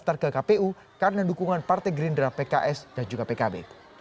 mardani juga minta daftar ke kpu karena dukungan partai gerindra pks dan juga pkb